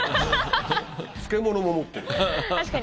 漬物も持ってるから。